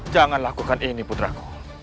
jangan lakukan ini putraku